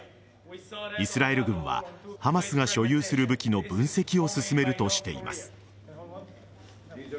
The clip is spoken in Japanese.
イスラエル軍はハマスが所有する武器の分析を進めるとしています。